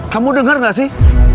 kamu dengar gak sih